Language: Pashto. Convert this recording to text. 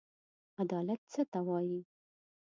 عدالت څه ته وايي؟